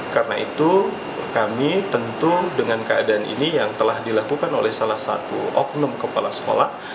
karena itu kami tentu dengan keadaan ini yang telah dilakukan oleh salah satu oknum kepala sekolah